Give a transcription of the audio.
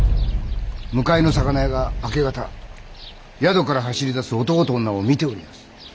向かいの魚屋が明け方宿から走りだす男と女を見ておりやす。